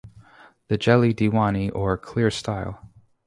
The Jeli Diwani or clear style.